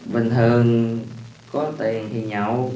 bình thường có tiền thì nhậu